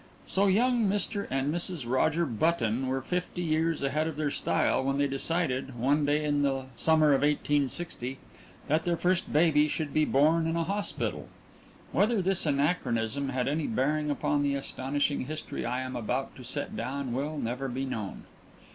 So young Mr. and Mrs. Roger Button were fifty years ahead of style when they decided, one day in the summer of 1860, that their first baby should be born in a hospital. Whether this anachronism had any bearing upon the astonishing history I am about to set down will never be known.